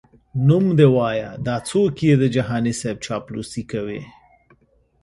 نوم دي وایه دا څوک یې د جهاني صیب چاپلوسي کوي؟🤧🧐